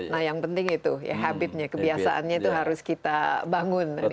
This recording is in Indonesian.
nah yang penting itu ya habitnya kebiasaannya itu harus kita bangun